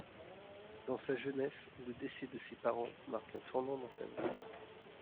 Dans sa jeunesse, le décès de ses parents marque un tournant dans sa vie.